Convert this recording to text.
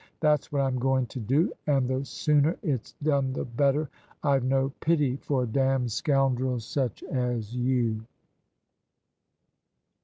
That's what I'm going to do, and the sooner it's done the better! I've no pity for d — d scoundrels such as you!